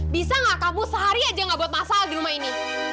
bisa nggak kamu sehari aja nggak buat masal di rumah ini